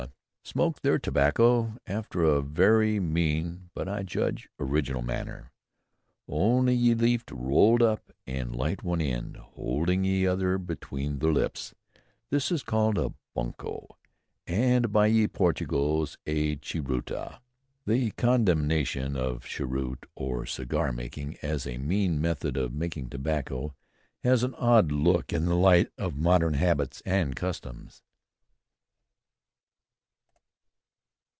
Smoke theire Tobacco after a very meane, but I judge Original manner, Onely ye leafe rowled up, and light one end, holdinge ye other between their lips ... this is called a bunko, and by ye Portugals a Cheroota." The condemnation of cheroot or cigar smoking as a mean method of taking tobacco has an odd look in the light of modern habits and customs.